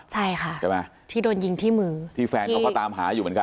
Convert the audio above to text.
ใช่ค่ะใช่ไหมที่โดนยิงที่มือที่แฟนเขาก็ตามหาอยู่เหมือนกัน